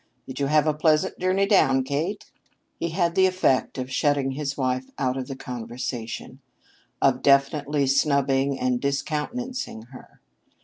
Did you have a pleasant journey down, Kate?" He had the effect of shutting his wife out of the conversation; of definitely snubbing and discountenancing her.